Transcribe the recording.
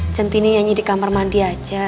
centini nyanyi di kamar mandi aja